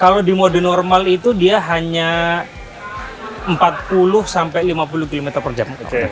kalau di mode normal itu dia hanya empat puluh sampai lima puluh km per jam